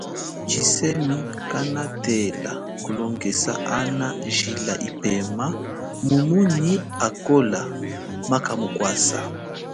Tshisemi kanatela kulongesa ana jila ipema mumu nyi akola maka mukwasa.